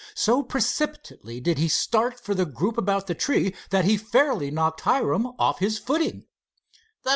So precipitately did he start for the group about the tree, that he fairly knocked Hiram off his footing.